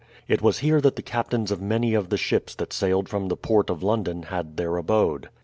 It was here that the captains of many of the ships that sailed from the port of London had their abode.